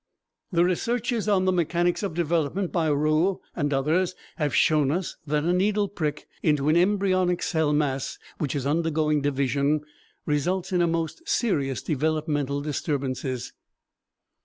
The researches on the mechanics of development by Roux and others have shown us that a needle prick into an embryonic cell mass which is undergoing division results in most serious developmental disturbances.